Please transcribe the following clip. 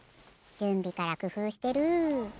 じゅんびからくふうしてる！